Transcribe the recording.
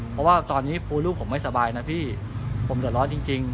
เพราะว่าตอนนี้คือลูกผมไม่สบายนะพี่ผมเดือดร้อนจริง